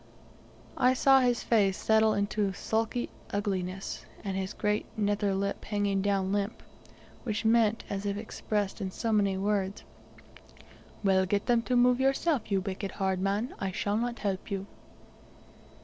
I saw his face settle into sulky ugliness, and his great nether lip hanging down limp, which meant as if expressed in so many words, "Well, get them to move yourself, you wicked hard man! I shall not help you."